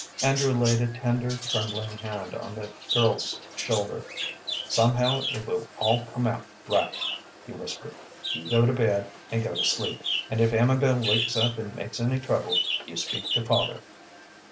Andrew laid a tender, trembling hand on the girl's shoulder. "Somehow it will all come out right," he whispered. "You go to bed and go to sleep, and if Amabel wakes up and makes any trouble you speak to father."